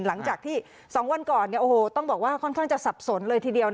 หลังจากที่๒วันก่อนต้องบอกว่าค่อนข้างจะสับสนเลยทีเดียว